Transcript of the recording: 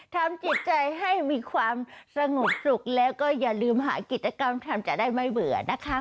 ทำจิตใจให้มีความสงบสุขแล้วก็อย่าลืมหากิจกรรมทำจะได้ไม่เบื่อนะคะ